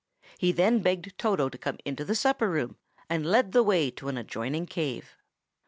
He then begged Toto to come into the supper room, and led the way to an adjoining cave.